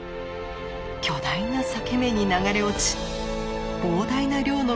巨大な裂け目に流れ落ち膨大な量の水煙をあげています。